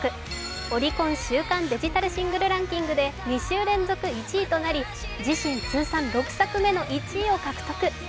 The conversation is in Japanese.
オリコン週間デジタルシングルランキングで２週連続１位となり自身通算６作目の１位を獲得。